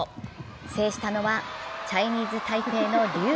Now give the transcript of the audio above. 制したのはチャイニーズ・タイペイの劉。